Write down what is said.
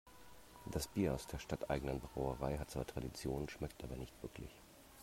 Das Bier aus der stadteigenen Brauerei hat zwar Tradition, schmeckt aber nicht wirklich.